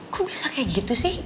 kok bisa kayak gitu sih